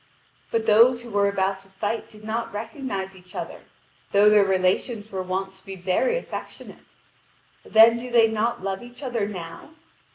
But those who were about to fight did not recognise each other, though their relations were wont to be very affectionate. Then do they not love each other now?